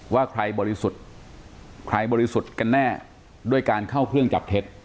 ว่าใครบริสุทธิ์ใครบริสุทธิ์กันแน่ด้วยการเข้าเครื่องจับเท็จ